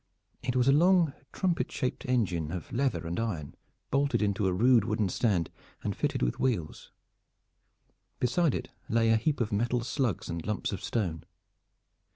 It was a long trumpet shaped engine of leather and iron bolted into a rude wooden stand and fitted with wheels. Beside it lay a heap of metal slugs and lumps of stone.